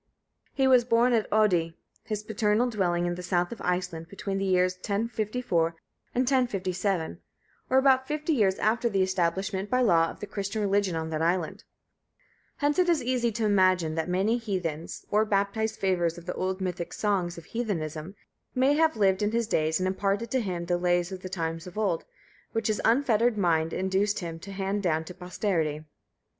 He was born at Oddi, his paternal dwelling in the south of Iceland, between the years 1054 and 1057, or about 50 years after the establishment by law of the Christian religion in that island; hence it is easy to imagine that many heathens, or baptized favourers of the old mythic songs of heathenism, may have lived in his days and imparted to him the lays of the times of old, which his unfettered mind induced him to hand down to posterity.